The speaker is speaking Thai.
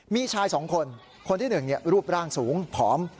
มีชายสองคนคนที่หนึ่งรูปร่างสูงผอม